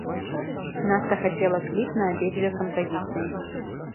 Наста хацела кліп на абедзве кампазіцыі.